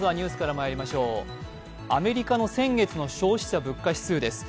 アメリカの先月の消費者物価指数です。